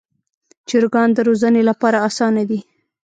چرګان د روزنې لپاره اسانه دي.